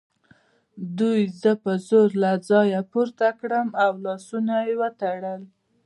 دوی زه په زور له ځایه پورته کړم او لاسونه یې وتړل